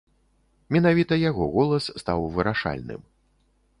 Менавіта яго голас стаў вырашальным.